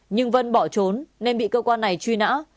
nhưng vân bỏ trốn nên bị cơ quan này truy nã